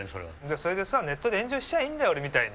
それでさネットで炎上しちゃーいいんだよ俺みたいに！